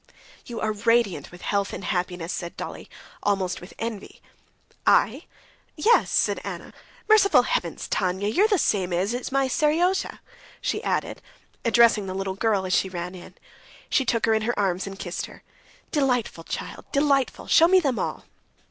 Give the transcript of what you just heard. "You are radiant with health and happiness!" said Dolly, almost with envy. "I?... Yes," said Anna. "Merciful heavens, Tanya! You're the same age as my Seryozha," she added, addressing the little girl as she ran in. She took her in her arms and kissed her. "Delightful child, delightful! Show me them all."